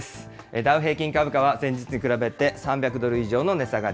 ダウ平均株価は、前日に比べて３００ドル以上の値下がり。